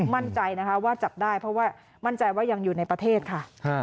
มั่นใจนะคะว่าจับได้เพราะว่ามั่นใจว่ายังอยู่ในประเทศค่ะ